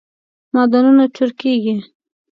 معدنونه چورکیږی